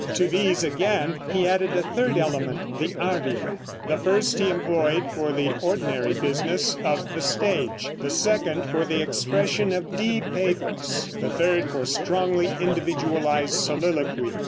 To these, again, he added a third element, the aria. The first he employed for the ordinary business of the stage; the second for the expression of deep pathos; the third for strongly individualized soliloquy.